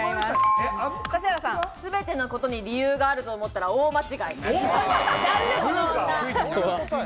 すべてのことに理由があると思ったら大間違い。